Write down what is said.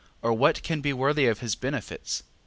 or what can be worthy of his benefits?